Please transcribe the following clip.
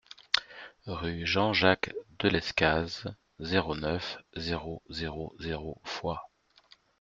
Rue Jean Jacques Delescazes, zéro neuf, zéro zéro zéro Foix